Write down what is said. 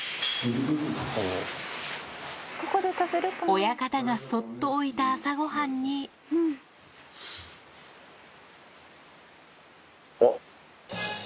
親方がそっと置いた朝ごはんにあっ。